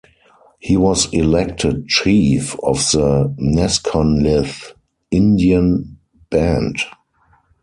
He was elected chief of the Neskonlith Indian Band.